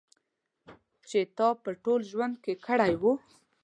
چې تا په ټول ژوند کې کړی و.